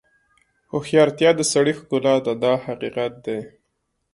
هوښیارتیا د سړي ښکلا ده دا حقیقت دی.